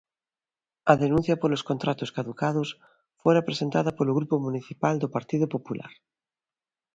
A denuncia polos contratos caducados fora presentada polo grupo municipal do Partido Popular.